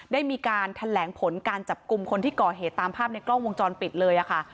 ได้มีการแถลงผลการจับกลุ่มคนที่ก่อเหตุตามภาพในกล้องวงจรปิดเลยค่ะ